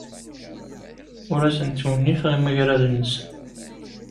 Ur asen-ttwenniteɣ imagraden-nsen.